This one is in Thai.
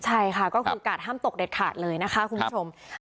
ใช่ค่ะก็คือกาดห้ามตกเด็ดขาดเลยนะคะคุณผู้ชม